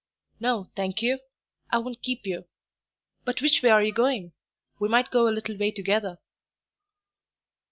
"No, thank you, I won't keep you. But which way are you going? We might go a little way together."